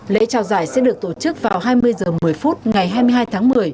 lễ trao giải sẽ được tổ chức vào hai mươi h một mươi phút ngày hai mươi hai tháng một mươi